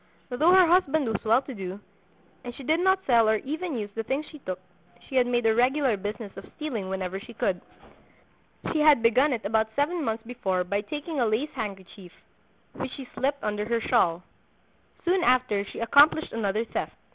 Though her husband was well to do, and she did not sell or even use the things she took, she had made a regular business of stealing whenever she could. She had begun it about seven months before by taking a lace handkerchief, which she slipped under her shawl: Soon after she accomplished another theft.